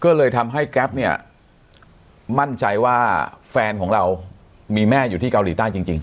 ก็เลยทำให้แก๊ปเนี่ยมั่นใจว่าแฟนของเรามีแม่อยู่ที่เกาหลีใต้จริง